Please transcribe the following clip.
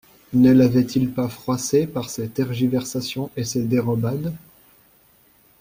Ne l'avait-il pas froissée par ses tergiversations et ses dérobades.